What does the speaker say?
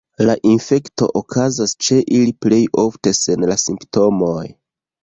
La infekto okazas ĉe ili plej ofte sen la simptomoj.